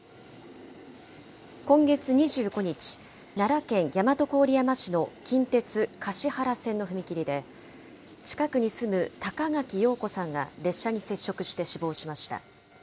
今月２５日、奈良県大和郡山市の近鉄橿原線の踏切で、近くに住む高垣陽子さんが列車に接触して死亡しました。